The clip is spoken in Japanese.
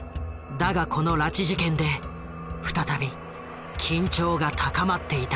だがこの拉致事件で再び緊張が高まっていた。